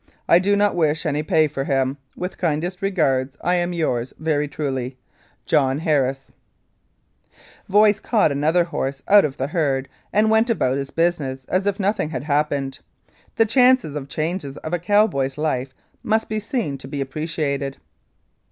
I do not wish any pay for him. With kindest regards, I am, yours very truly, llJoHN HARRIS Voice caught another horse out of the herd and went about his business as if nothing had happened. The chances and changes of a cowboy's life must be seen to be appreciated.